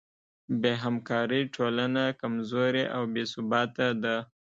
بېهمکارۍ ټولنه کمزورې او بېثباته ده.